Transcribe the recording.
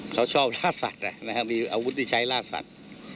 เขาชอบลาดสัตว์นะครับมีอาวุธที่ใช้ลาดสัตว์